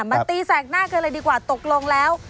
ตีแสกหน้ากันเลยดีกว่าตกลงแล้ว